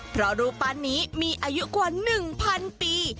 เพราะรูปปั้นนี้มีอายุกว่า๑๐๐ปี